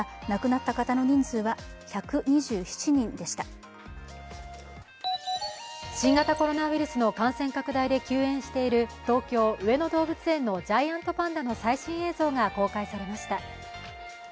亡くなった方の人数は１２７人でした新型コロナウイルスの感染拡大で休園している東京上野動物園のジャイアントパンダの最新映像が公開されました。